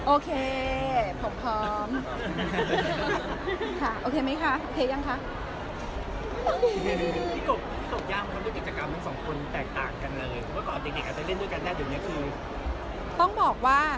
โอเคค่ะโอเคหรือยังคะ